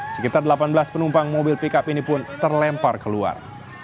sekitar delapan belas penumpang mobil pickup ini pun terlempar keluar